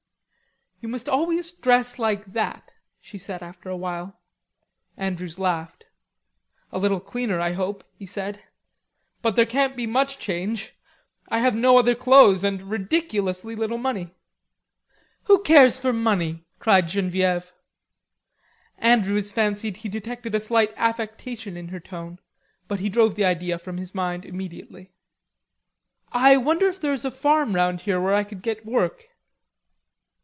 "You must always dress like that," she said after a while. Andrews laughed. "A little cleaner, I hope," he said. "But there can't be much change. I have no other clothes and ridiculously little money." "Who cares for money?" cried Genevieve. Andrews fancied he detected a slight affectation in her tone, but he drove the idea from his mind immediately. "I wonder if there is a farm round here where I could get work."